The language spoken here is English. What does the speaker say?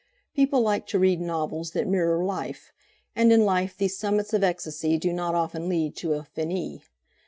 People like to read novels that mirror life, and in life these summits of ecstasy do not often lead to a "Finis."